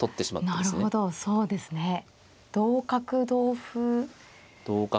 そうなんですね